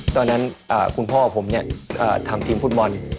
ตอนนั้นคุณพ่อผมทำทีมฟุตบอล